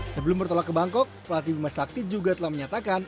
sebelum bertolak ke bangkok pelatih bimasakti juga telah menyatakan